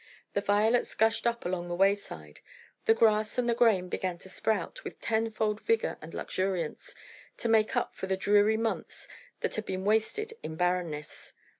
The violets gushed up along the wayside. The grass and the grain began to sprout with tenfold vigour and luxuriance, to make up for the dreary months that had been wasted in barrenness.